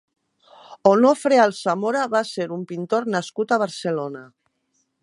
Onofre Alsamora va ser un pintor nascut a Barcelona.